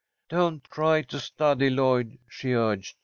"Don't try to study, Lloyd," she urged.